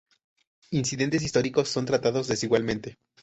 Incidentes históricos son tratados desigualmente.